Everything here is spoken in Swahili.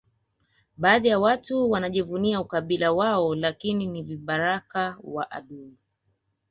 Baadhi ya watu wanajivunia ukabila wao lakini ni vibaraka wa adui